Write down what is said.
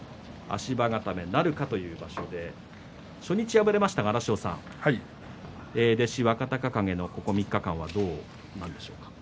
足場固めなるかという場所で初日敗れましたが、荒汐さん弟子、若隆景３日間どうですか？